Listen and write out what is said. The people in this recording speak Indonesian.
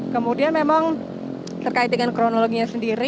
kemudian memang terkait dengan kronologinya sendiri